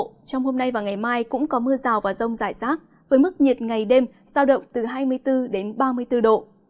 trong hôm nay và ngày mai cũng có mưa rào và rông rải rác với mức nhiệt ngày đêm giao động từ hai mươi bốn đến ba mươi bốn độ